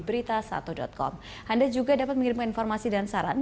berita satu com anda juga dapat mengirimkan informasi dan saran